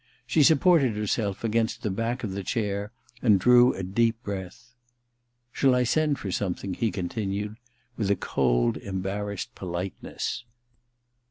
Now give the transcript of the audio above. She supported herself against the back of the chair and drew a deep breath. * Shall I send for something ?' he continued, with a cold embarrassed politeness.